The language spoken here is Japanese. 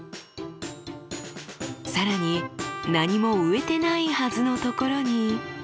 更に何も植えてないはずのところに。